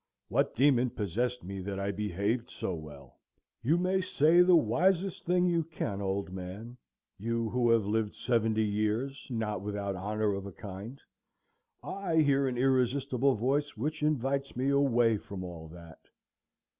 What demon possessed me that I behaved so well? You may say the wisest thing you can, old man,—you who have lived seventy years, not without honor of a kind,—I hear an irresistible voice which invites me away from all that.